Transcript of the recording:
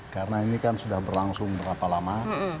karena ini kan sudah berlangsung berapa lama